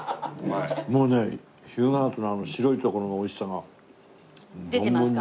もうね日向夏の白いところの美味しさが。出てますか？